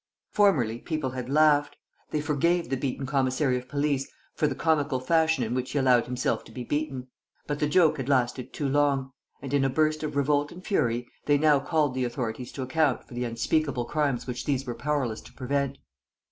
Formerly, people had laughed. They forgave the beaten commissary of police for the comical fashion in which he allowed himself to be beaten. But the joke had lasted too long; and, in a burst of revolt and fury, they now called the authorities to account for the unspeakable crimes which these were powerless to prevent.